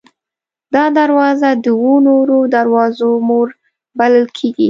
دا دروازه د اوو نورو دروازو مور بلل کېږي.